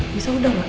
bisa udah wak